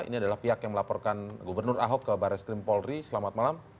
ini adalah pihak yang melaporkan gubernur ahok ke baris krim polri selamat malam